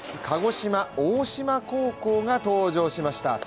鹿児島・大島高校が登場しました。